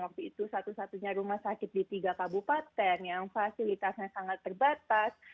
waktu itu satu satunya rumah sakit di tiga kabupaten yang fasilitasnya sangat terbatas